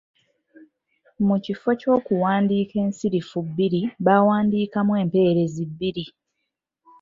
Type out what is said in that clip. Mu kifo ky’okuwandiika ensirifu bbiri baawandiikamu empeerezi bbiri.